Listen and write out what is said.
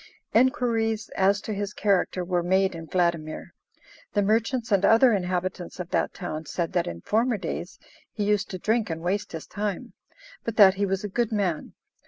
Enquiries as to his character were made in Vladimir. The merchants and other inhabitants of that town said that in former days he used to drink and waste his time, but that he was a good man.